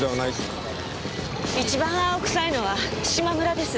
一番青臭いのは嶋村です。